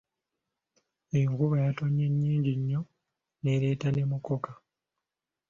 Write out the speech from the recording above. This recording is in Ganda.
Enkuba yatonye nnyingi nnyo n’ereeta ne mukoka.